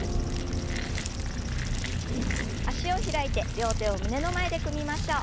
脚を開いて両手を胸の前で組みましょう。